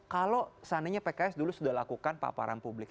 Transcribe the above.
kalau seandainya pks dulu sudah lakukan paparan publik